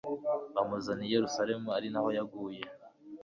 bamuzana i yeruzalemu, ari na ho yaguye